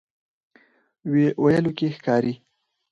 ویلو کې ښکاري.